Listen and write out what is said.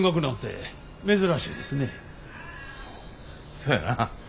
そやな。